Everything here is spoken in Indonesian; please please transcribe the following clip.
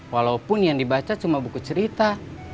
walaupun yang dibaca cuma buku cerita